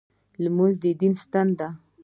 لمونځ د دین ستون دی